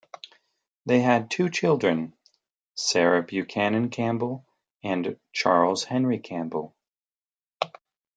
They had two children: Sarah Buchanan Campbell, and Charles Henry Campbell.